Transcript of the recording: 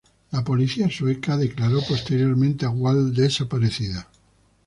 La policía sueca declaró posteriormente a Wall desaparecida.